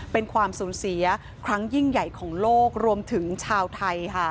เป็นความสูญเสียครั้งยิ่งใหญ่ของโลกรวมถึงชาวไทยค่ะ